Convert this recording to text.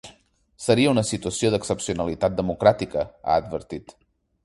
Seria una situació d’excepcionalitat democràtica, ha advertit.